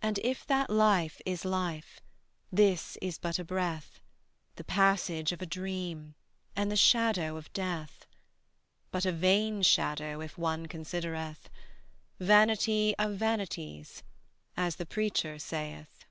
And if that life is life, This is but a breath, The passage of a dream And the shadow of death; But a vain shadow If one considereth; Vanity of vanities, As the Preacher saith.